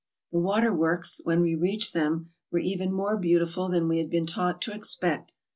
The water works, when we reached them, were even more beautiful than we had been taught to expect.